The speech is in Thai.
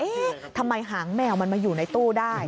ทำไมหางแมวมันมาอยู่ในตู้ได้